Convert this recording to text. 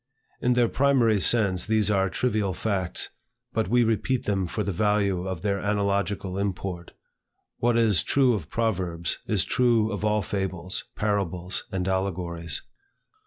In their primary sense these are trivial facts, but we repeat them for the value of their analogical import. What is true of proverbs, is true of all fables, parables, and allegories.